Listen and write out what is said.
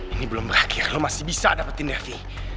ini belum berakhir lo masih bisa dapetin devi